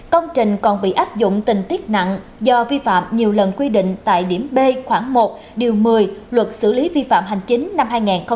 công trình còn bị áp dụng tình tiết nặng do vi phạm nhiều lần quy định tại điểm b khoảng một điều một mươi luật xử lý vi phạm hành chính năm hai nghìn một mươi